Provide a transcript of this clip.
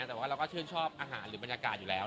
แต่ว่าเราก็ชื่นชอบอาหารหรือบรรยากาศอยู่แล้ว